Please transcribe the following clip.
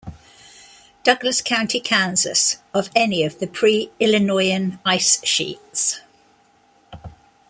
Douglas County, Kansas, of any of the Pre-Illinoian ice sheets.